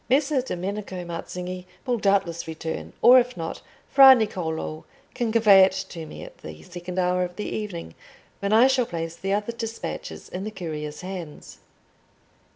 Messer Domenico Mazzinghi will doubtless return, or, if not, Fra Niccolò can convey it to me at the second hour of the evening, when I shall place the other despatches in the courier's hands."